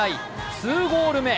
２ゴール目。